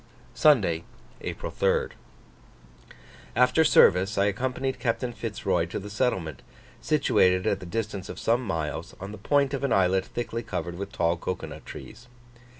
Sunday, April 3rd. After service I accompanied Captain Fitz Roy to the settlement, situated at the distance of some miles, on the point of an islet thickly covered with tall cocoa nut trees.